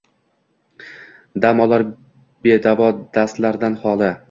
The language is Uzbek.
Dam olar bedavo dastlardan xoli.